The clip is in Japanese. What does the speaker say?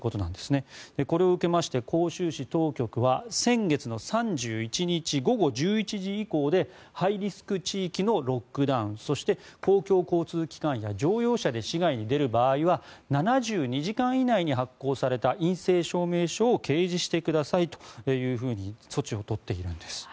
これを受けて広州市当局は先月の３１日午後１１時以降でハイリスク地域のロックダウンそして、公共交通機関や乗用車で市外に出る場合は７２時間以内に発行された陰性証明書を提示してくださいというふうに措置を取っているんです。